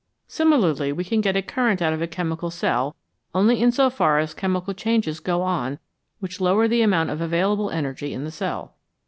Similarly we can get a current out of a chemical cell only in so far as chemical changes go on which lower the amount of available energy in the cell.